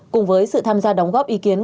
cùng với sự tham gia đóng góp ý kiến